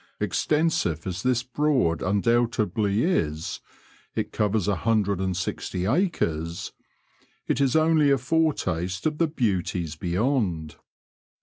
^ Extensive as this. Broad undoubtedly is^— it covers a hundred and sixty acres — ^it is only a foretaste of the beauties beyond.